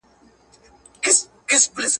خلک اوس د فایبر ارزښت پېژني.